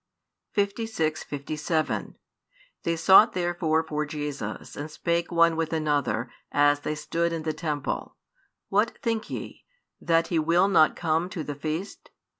|136 56, 57 They sought therefore for Jesus, and spake one with another, as they stood in the temple, What think ye? That He will not come to the feast?